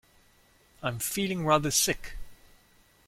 I'm feeling rather sick!